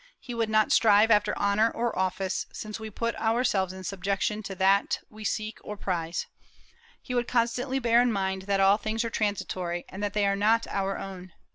He would not strive after honor or office, since we put ourselves in subjection to that we seek or prize; he would constantly bear in mind that all things are transitory, and that they are not our own.